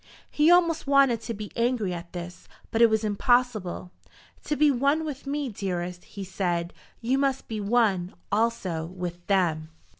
He almost wanted to be angry at this, but it was impossible. "To be one with me, dearest," he said, "you must be one, also, with them."